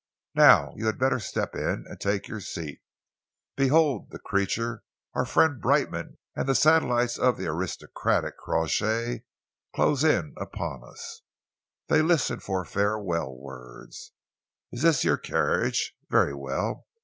Now you had better step in and take your seat. Behold the creatures of our friend Brightman and the satellites of the aristocratic Crawshay close in upon us! They listen for farewell words. Is this your carriage? Very well.